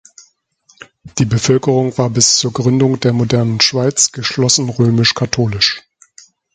Die Bevölkerung war bis zur Gründung der modernen Schweiz geschlossen römisch-katholisch.